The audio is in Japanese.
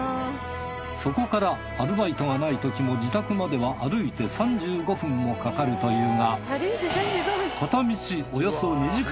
そこからアルバイトがないときも自宅までは歩いて３５分もかかるというがすみません。